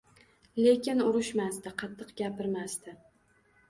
Lekin urishmasdi, qattiq gapirmasdi